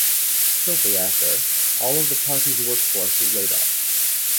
Shortly after, all of the party's workforce was laid off.